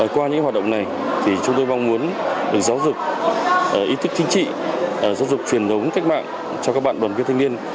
qua những hoạt động này chúng tôi mong muốn được giáo dục ý thức chính trị giáo dục truyền thống cách mạng cho các bạn đoàn viên thanh niên